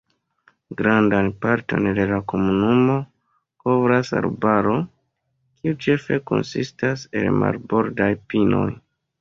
Grandan parton de la komunumo kovras arbaro, kiu ĉefe konsistas el marbordaj pinoj.